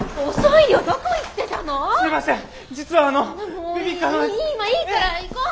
いい今いいから行こう！